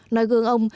nói gương ông